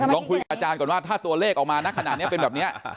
ลองคุยกับอาจารย์ก่อนว่าถ้าตัวเลขออกมานะขนาดนี้เป็นแบบนี้